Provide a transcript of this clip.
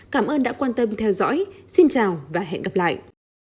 cảm ơn đã quan tâm theo dõi xin chào và hẹn gặp lại